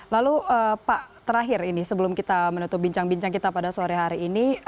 lalu pak terakhir ini sebelum kita menutup bincang bincang kita pada sore hari ini